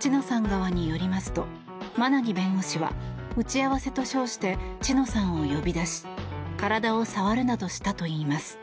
知乃さん側によりますと馬奈木弁護士は打ち合わせと称して知乃さんを呼び出し体を触るなどしたといいます。